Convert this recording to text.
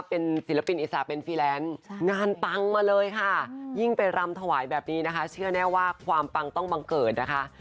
เป็นสีเมืองสุ่มเรือหมด